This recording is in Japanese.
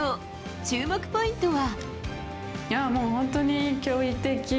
注目ポイントは。